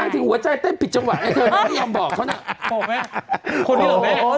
นั่งที่หัวใจเต้นปิดจังหวัดไอ้เธอแล้วพี่หนุ่มบอกเขาน่ะ